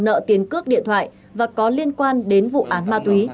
bị hại đang nợ tiền cước điện thoại và có liên quan đến vụ án ma túy